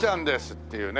っていうね。